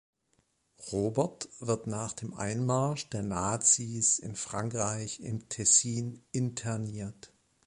Robert wird nach dem Einmarsch der Nazis in Frankreich im Tessin interniert.